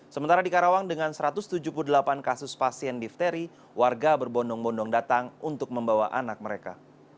sementara di karawang dengan satu ratus tujuh puluh delapan kasus pasien difteri warga berbondong bondong datang untuk membawa anak mereka